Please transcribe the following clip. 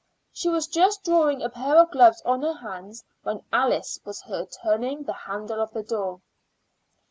She was just drawing a pair of gloves on her hands when Alice was heard turning the handle of the door.